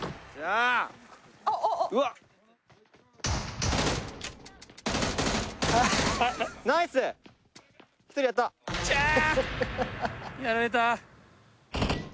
あぁ！やられた。